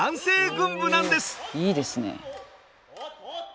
おいいですね。